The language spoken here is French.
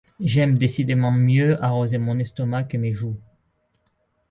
J’aime décidément mieux arroser mon estomac que mes joues.